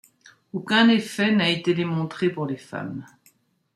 Aucun effet n'a été démontré pour les femmes.